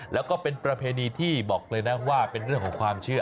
แล้วก็เป็นประเพณีที่บอกเลยนะว่าเป็นเรื่องของความเชื่อ